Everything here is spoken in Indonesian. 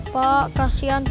pak kasihan pak